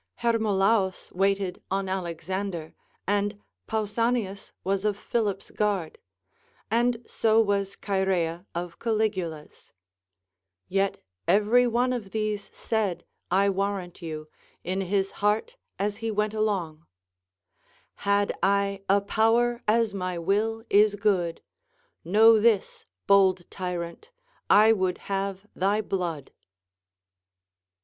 Hermolaus waited on Alexander, and Pausanias was of Philip's guard, and so Avas Chaerea of Caligula's ; yet every one of these said, I warrant you, m his heart as he went along, — Had I a power as my will is goo 1, Ivuovv this, bold tyrant, I would have thy blood.